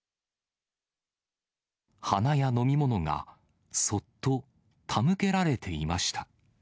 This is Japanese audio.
花や飲み物が、そっと手向けられていました。